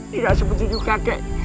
tidak sebetulnya kakek